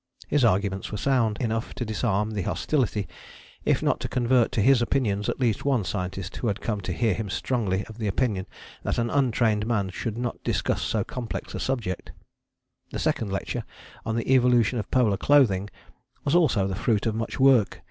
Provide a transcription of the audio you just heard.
His arguments were sound enough to disarm the hostility if not to convert to his opinions at least one scientist who had come to hear him strongly of opinion that an untrained man should not discuss so complex a subject. The second lecture, on the Evolution of Polar Clothing, was also the fruit of much work.